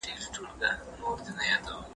سرګردان لکه مېچن یم پکښي ورک مي صبح و شام دی